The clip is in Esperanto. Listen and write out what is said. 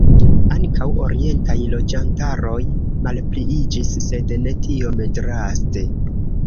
Ankaŭ orientaj loĝantaroj malpliiĝis, sed ne tiom draste.